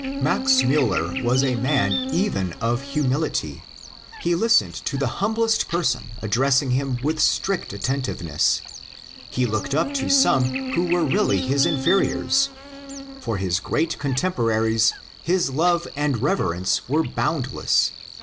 Max Muller was a man even of humility ; he listened to the humblest person addressing him with strict attentiveness ; he looked up to some who were reaUy his inferiors. For his great contemporaries his love and reverence were boundless.